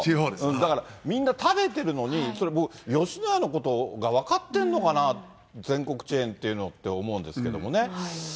だから、みんな食べてるのに、それもう、吉野家のことを分かってんのかな、全国チェーンっていうのって、思うんですけどもね。